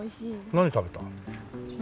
何食べたの？